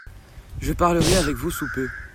Je parlerai avec vous sous peu.